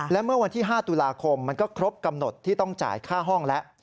และเมื่อวันที่๕ตุลาคมมันก็ครบกำหนดที่ต้องจ่ายค่าห้องแล้ว